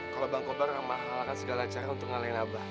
kalau bang kobar akan mengalahkan segala cara untuk mengalahin abah